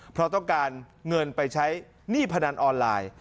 เพราะต้องการเงินไปใช้หนี้พนันออนไลน์